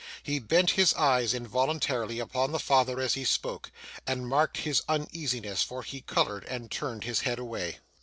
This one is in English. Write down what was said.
He bent his eyes involuntarily upon the father as he spoke, and marked his uneasiness; for he coloured and turned his head away.